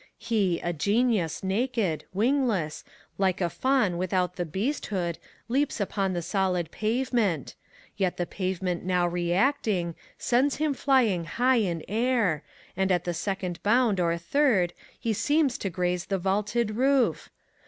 He> a Qenius naked, wingless, like a Faun without the beasthood. Leaps upon the solid pavement: yet the pavemoat now reacting. Sends him flying high in air, and at the seoond bound or third, he Seems to graze the vaulted roof.